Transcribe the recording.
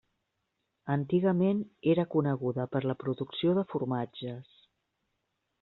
Antigament era coneguda per la producció de formatges.